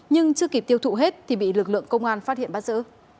nhưng chưa kịp tiêu thụ hết thì bị lực lượng công an phát hiện bắt giữ